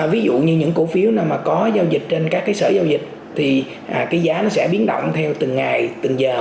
ví dụ như những cổ phiếu mà có giao dịch trên các cái sở giao dịch thì cái giá nó sẽ biến động theo từng ngày từng giờ